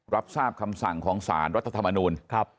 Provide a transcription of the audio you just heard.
รับทราบคำสั่งของสารรัฐธรรมนูล